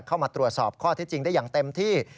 เข้ามาตรวจสอบข้อเท็จจริงได้อย่างเต็มที่